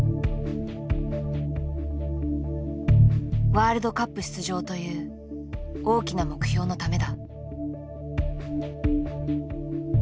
ワールドカップ出場という大きな目標のためだ。